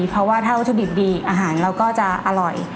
เพราะว่าถ้าวัตถุดิบดีอาหารเราก็จะอร่อย